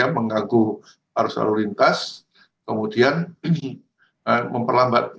mengaguh arus arus lintas kemudian memperlambat